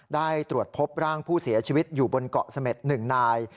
ได้ตรวจพบร่างผู้เสียชีวิตอยู่บนเกาะเสม็ด๑นาย